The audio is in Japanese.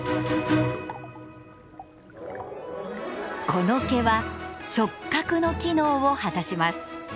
この毛は触覚の機能を果たします。